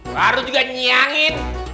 baru juga nyangin